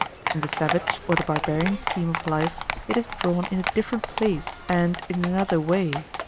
In the savage or the barbarian scheme of life it is drawn in a different place and in another way.